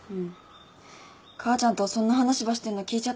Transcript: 母ちゃんとそんな話ばしてんの聞いちゃったっちね。